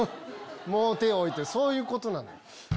もう手置いてるそういうことなの。